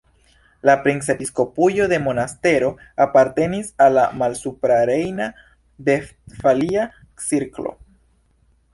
La princepiskopujo de Monastero apartenis al la Malsuprarejna-Vestfalia cirklo.